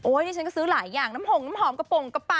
นี่ฉันก็ซื้อหลายอย่างน้ำผงน้ำหอมกระโปรงกระเป๋า